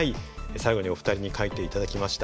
最後にお二人に書いて頂きました。